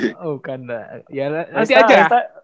oh bukan lah ya nanti aja ya